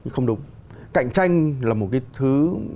không đúng cạnh tranh là một thứ